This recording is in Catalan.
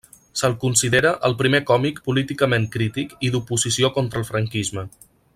Se'l considera el primer còmic políticament crític i d'oposició contra el franquisme.